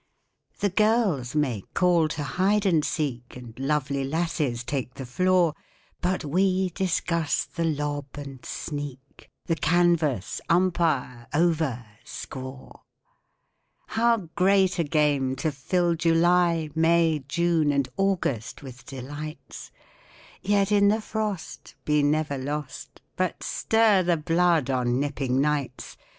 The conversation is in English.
The girls may call to Hide and Seek, And lovely lasses take the floor; But we discuss the Lob and Sneak, The Canvas, Umpire, Over, Score! How great a game to fill July, May, June, and August with delights, Yet in the frost Be never lost, But stir the blood on nipping nights!